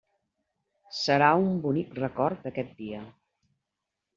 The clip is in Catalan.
Serà un bonic record d'aquest dia.